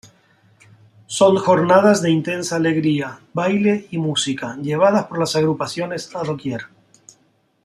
Son jornadas de intensa alegría, baile y música llevadas por las agrupaciones a doquier.